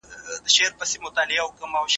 د رسول الله پدغه حديث هم دليل وړاندي کوي.